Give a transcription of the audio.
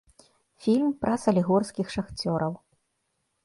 Фільм пра салігорскіх шахцёраў.